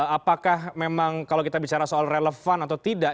apakah memang kalau kita bicara soal relevan atau tidak